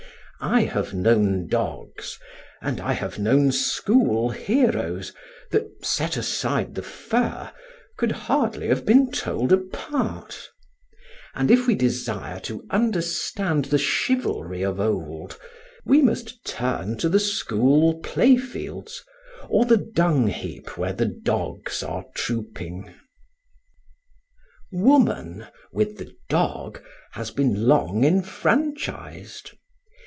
I have known dogs, and I have known school heroes that, set aside the fur, could hardly have been told apart; and if we desire to understand the chivalry of old, we must turn to the school playfields or the dungheap where the dogs are trooping. Woman, with the dog, has been long enfranchised.